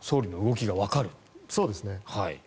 そうですね。